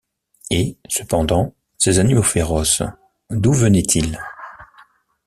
Et, cependant, ces animaux féroces, d’où venaient-ils?